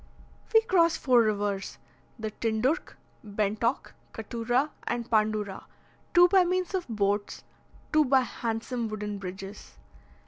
We crossed four rivers, the Tindurch, Bentock, Cattura, and Pandura, two by means of boats, two by handsome wooden bridges.